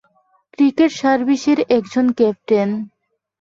Secret সার্ভিসের একজন captain.